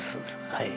はい。